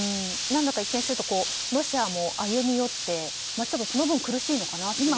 何だか一見するとロシアも歩み寄ってその分、苦しいのかなと。